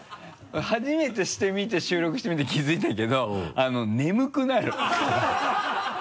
初めてしてみて収録してみて気付いたけど眠くなる。